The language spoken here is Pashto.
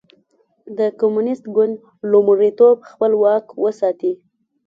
د کمونېست ګوند لومړیتوب خپل واک وساتي.